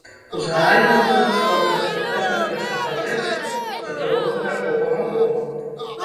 Узгаранне адбылося ў адной з кватэр на першым паверсе чатырохпавярховага дома.